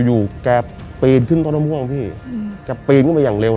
อยู่แกปีนขึ้นต้นมะม่วงพี่แกปีนขึ้นไปอย่างเร็ว